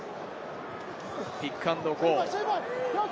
ピックアンドゴー。